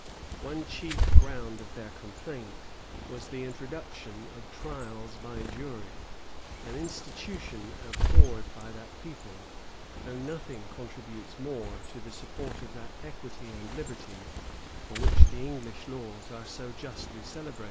One chief ground of their complaint, was the introduction of trials by jury;[*] an institution abhorred by that people, though nothing contributes more to the support of that equity and liberty for which the English laws are so justly celebrated.